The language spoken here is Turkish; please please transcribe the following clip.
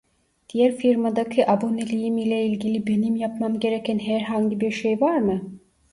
Diğer firmadaki aboneliğim ile ilgili benim yapmam gereken herhangi bir şey var mı?